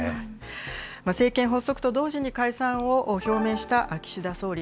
政権発足と同時に解散を表明した岸田総理。